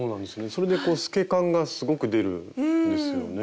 それで透け感がすごく出るんですよね。